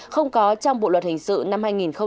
không có trong bộ luật hình sự năm hai nghìn chín